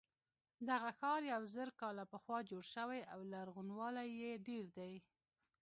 دغه ښار یو زر کاله پخوا جوړ شوی او لرغونوالی یې ډېر دی.